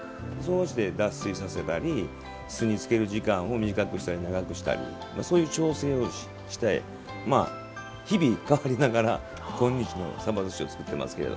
脱水させたり酢に漬ける時間を長くしたり短くしたり長くしたりそういう調整をして日々、変わりながら今日のさばずしを作ってますけど。